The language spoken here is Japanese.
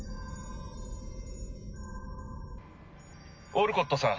オルコットさん